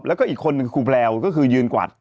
แล้วก็อีกคนหนึ่งครูแพลวก็คือยืนกวัด